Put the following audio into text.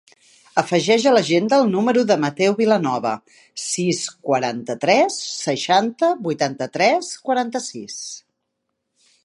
Afegeix a l'agenda el número del Matteo Vilanova: sis, quaranta-tres, seixanta, vuitanta-tres, quaranta-sis.